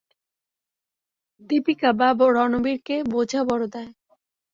দীপিকা বা রণবীরকে বোঝা বড় দায়।